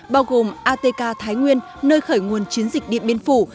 bao gồm atk thái nguyên nơi khởi nguồn chiến dịch điện biên phủ